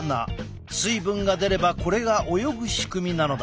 水分が出ればこれが泳ぐ仕組みなのだ。